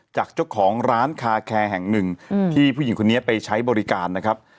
จากเจ้าของร้านคาแคร์แห่งหนึ่งที่ผู้หญิงคนนี้ไปใช้บริการนะครับ